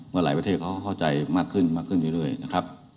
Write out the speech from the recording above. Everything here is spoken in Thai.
หลายประเทศเขาก็เข้าใจมากขึ้นมากขึ้นเรื่อยนะครับ